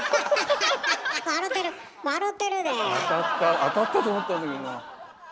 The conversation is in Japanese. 当たったと思ったんだけどな。